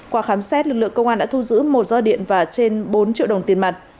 qua khám xét lực lượng công an đã thu giữ một roi điện và trên bốn triệu đồng tiền mặt